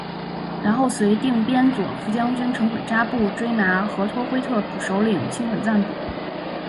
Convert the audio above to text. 然后随定边左副将军成衮扎布追拿和托辉特部首领青衮咱卜。